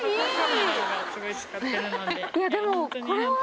いやでもこれは。